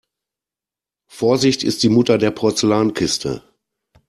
Vorsicht ist die Mutter der Porzellankiste.